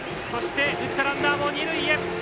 打ったランナーも二塁へ！